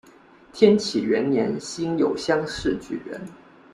天启元年辛酉乡试举人。